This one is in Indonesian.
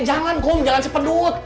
jangan kum jangan sepedut